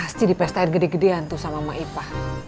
pasti dipestain gede gedean tuh sama maipah